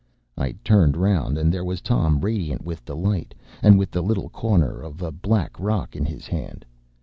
” I turned round, and there was Tom radiant with delight, and with the little corner of black rock in his hand.